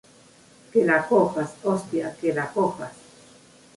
¡ que la cojas! ¡ hostia, que la cojas!